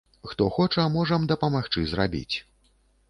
Хто хоча, можам дапамагчы зрабіць.